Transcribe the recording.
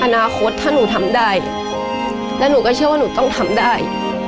อนาคตถ้าหนูทำได้แล้วหนูก็เชื่อว่าหนูต้องทำได้